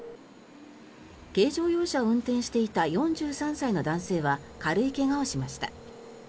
軽乗用車を運転していた４３歳の男性は軽い怪我をしました。